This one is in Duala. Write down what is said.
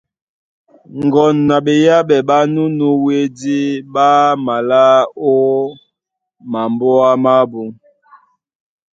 Ŋgo na ɓeyáɓɛ ɓá nû nú wédí ɓá malá ó mambóa mábū.